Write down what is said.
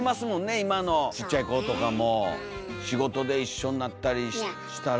今のちっちゃい子とかも仕事で一緒になったりしたら。